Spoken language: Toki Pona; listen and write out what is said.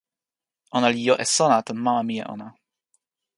ona li jo e sona tan mama mije ona